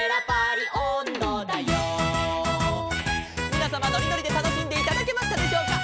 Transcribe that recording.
「みなさまのりのりでたのしんでいただけましたでしょうか」